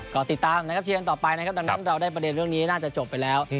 ก็ติดตามนะครับเชียร์กันต่อไปนะครับดังนั้นเราได้ประเด็นเรื่องนี้น่าจะจบไปแล้ว